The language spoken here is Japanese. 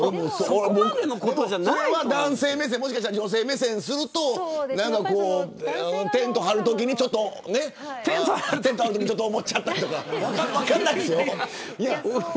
もしかしたら女性目線からするとテント張るときにちょっと思っちゃったりとか分からないですよ